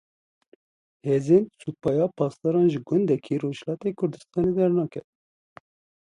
Hêzên Supaya Pasdaran ji gundekî Rojhilatê Kurdistanê dernakevin.